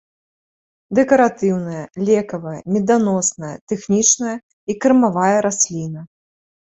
Дэкаратыўная, лекавая, меданосная, тэхнічная і кармавая расліна.